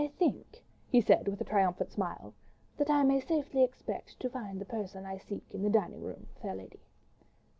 "I think," he said, with a triumphant smile, "that I may safely expect to find the person I seek in the dining room, fair lady."